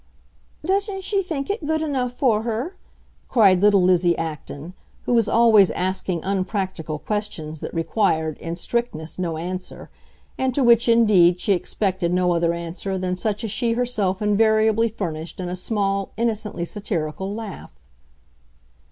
"Doesn't she think it good enough for her?" cried little Lizzie Acton, who was always asking unpractical questions that required, in strictness, no answer, and to which indeed she expected no other answer than such as she herself invariably furnished in a small, innocently satirical laugh.